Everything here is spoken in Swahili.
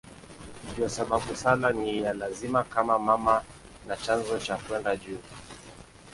Ndiyo sababu sala ni ya lazima kama mama na chanzo cha kwenda juu.